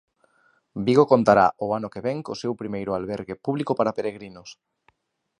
Vigo contará o ano que vén co seu primeiro albergue público para peregrinos.